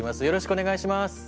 よろしくお願いします。